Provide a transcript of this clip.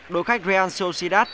đội khách real sociedad